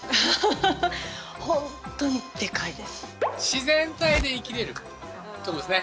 自然体で生きれるところですね。